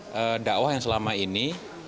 dalam dakwah yang selama ini